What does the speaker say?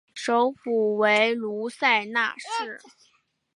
首府为卢塞纳市。